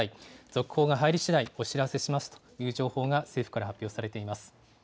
続報が入りしだいお知らせしますという情報が、政府から発表されています。